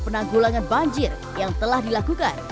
penanggulangan banjir yang telah dilakukan